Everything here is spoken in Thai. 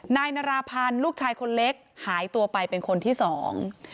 นายนาราพันธ์ลูกชายคนเล็กหายตัวไปเป็นคนที่สอง